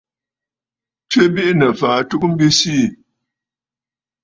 Tswe biʼinə̀ fàa ɨtugə mbi siì.